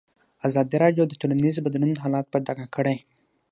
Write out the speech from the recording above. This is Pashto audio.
ازادي راډیو د ټولنیز بدلون حالت په ډاګه کړی.